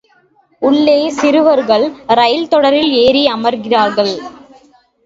உள்ளே சிறுவர்கள் ரயில் தொடரில் ஏறி அமர்கிறார்கள்.